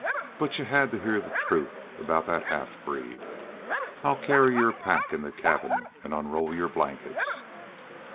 But y'u had to heah the truth aboot that half breed.... I'll carry your pack in the cabin an' unroll your blankets."